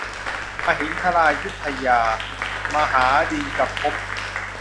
มหินทรายุทธยา มหาดิลกภพ